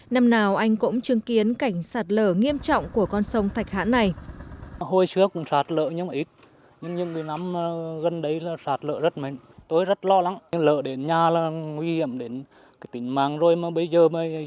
năm nào anh cũng chứng kiến cảnh sạt lở nghiêm trọng của con sông thạch hãn này